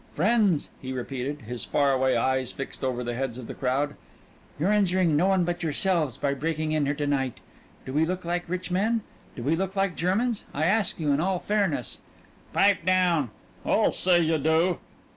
"Friends!" he repeated, his far away eyes fixed over the heads of the crowd, "you're injuring no one but yourselves by breaking in here to night. Do we look like rich men? Do we look like Germans? I ask you in all fairness " "Pipe down!" "I'll say you do!"